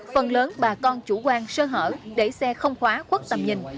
phần lớn bà con chủ quan sơ hở để xe không khóa khuất tầm nhìn